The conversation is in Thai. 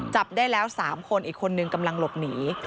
จับได้แล้ว๓คนอีกคนนึงกำลังหลบหนี